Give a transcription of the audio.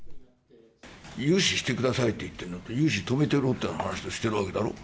融資してくださいって言ってるのと、融資止めてやろうっていう話をしているわけだろ。